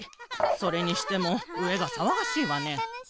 それにしてもうえがさわがしいわね。